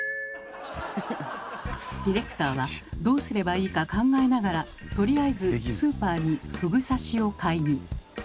ディレクターはどうすればいいか考えながらとりあえずスーパーにふぐ刺しを買いに。